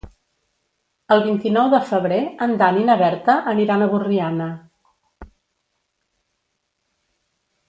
El vint-i-nou de febrer en Dan i na Berta aniran a Borriana.